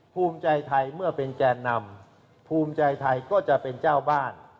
ภูมิใจไทยเมื่อเป็นแกนนำภูมิใจไทยก็จะเป็นเจ้าบ้าน